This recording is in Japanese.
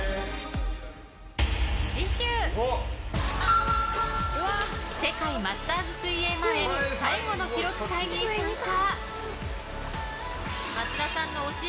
次週、世界マスターズ水泳前最後の記録会に参加。